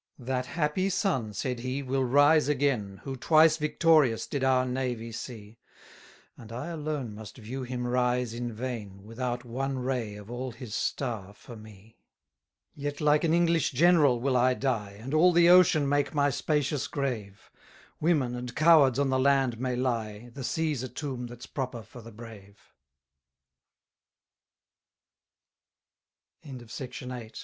100 That happy sun, said he, will rise again, Who twice victorious did our navy see: And I alone must view him rise in vain, Without one ray of all his star for me. 101 Yet like an English general will I die, And all the ocean make my spacious grave: Women and cowards on the land may lie; The sea's a tomb that'